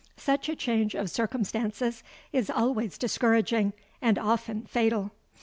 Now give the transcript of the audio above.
Such a change of circumstances is always discouraging, and often fatal.